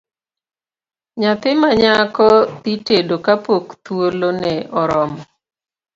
Nyathi manyako dhi tedo kapok thuolo ne oromo.